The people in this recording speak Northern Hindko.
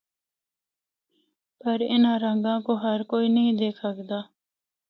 پر اِنّاں رَنگاں کو ہر کوئی نیں دکھ ہکدا۔